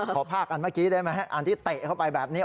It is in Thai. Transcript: ภาคอันเมื่อกี้ได้ไหมอันที่เตะเข้าไปแบบนี้